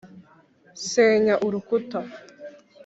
senya urukuta!